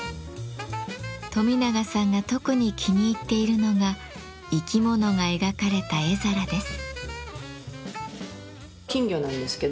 冨永さんが特に気に入っているのが生き物が描かれた絵皿です。